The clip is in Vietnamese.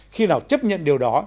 khi nào chấp nhận điều đó